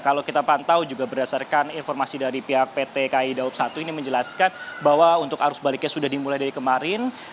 kalau kita pantau juga berdasarkan informasi dari pihak pt kai daup satu ini menjelaskan bahwa untuk arus baliknya sudah dimulai dari kemarin